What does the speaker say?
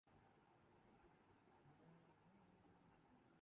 جب انہوں نے سنبھالی تو بجا طور پہ